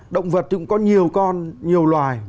động vật thì cũng có nhiều con nhiều loài